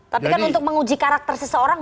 tapi kan untuk menguji karakter seseorang